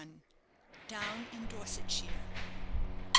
DOWN IN DORSETSHIRE.